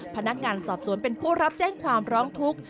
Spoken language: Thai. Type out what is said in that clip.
พนักงานสอบสวนเป็นผู้รับแจ้งความร้องทุกข์